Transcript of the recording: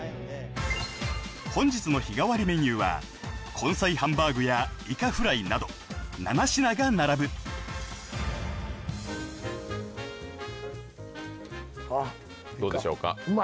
本日の日替わりメニューは根菜ハンバーグやいかフライなど７品が並ぶどうでしょうか？